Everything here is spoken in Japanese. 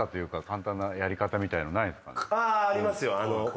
あありますよ。